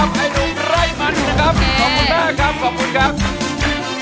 ขอบคุณมากครับขอบคุณครับ